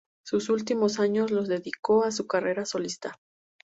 Sus últimos años los dedicó a su carrera solista.